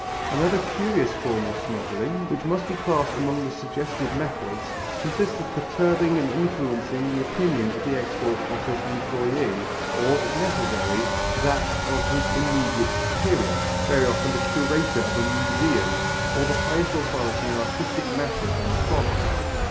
Another curious form of smuggling, which must be classed among the suggestive methods, consists of perturbing and influencing the opinion of the Export Office employé or, if necessary, that of his immediate superior, very often the curator of a museum or the highest authority on artistic matters in the province.